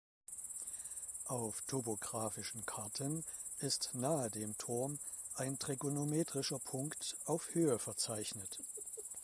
Auf topographischen Karten ist nahe dem Turm ein trigonometrischer Punkt auf Höhe verzeichnet.